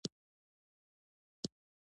نور په دې اړه بحث نه شي